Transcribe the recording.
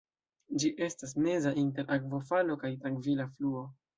Ĝi estas meza inter akvofalo kaj trankvila fluo.